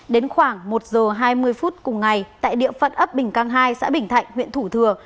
đến khoảng một giờ hai mươi phút cùng ngày tại địa phận ấp bình cang hai xã bình thạnh huyện thủ thừa